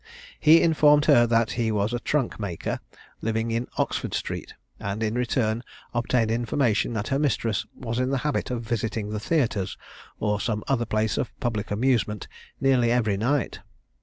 He informed her that he was a trunk maker living in Oxford Street, and in return obtained information that her mistress was in the habit of visiting the theatres or some other place of public amusement nearly every night.